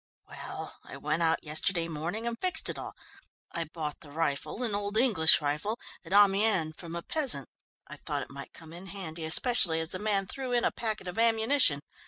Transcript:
"Well, I went out yesterday morning and fixed it all. I bought the rifle, an old English rifle, at Amiens from a peasant. I thought it might come in handy, especially as the man threw in a packet of ammunition.